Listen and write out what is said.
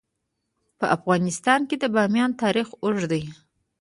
په افغانستان کې د بامیان تاریخ اوږد دی.